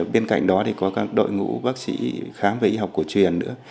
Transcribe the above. bên cạnh đó thì có các đội ngũ bác sĩ khám về y học cổ truyền nữa